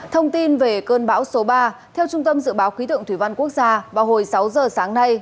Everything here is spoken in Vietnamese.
thông tin về cơn bão số ba theo trung tâm dự báo khí tượng thủy văn quốc gia vào hồi sáu giờ sáng nay